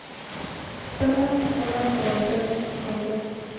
کله، کله خواږه، خواږه